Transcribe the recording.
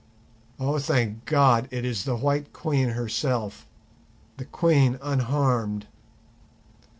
Oh, thank God, it is the White Queen herself, the Queen unharmed!